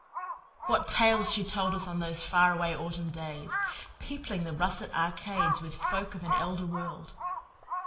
What tales she told us on those far away autumn days, peopling the russet arcades with folk of an elder world.